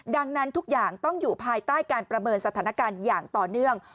ดังนั้นทุกอย่างต้องอยู่ภายใต้การประเมินสถานการณ์อย่างต่อเนื่อง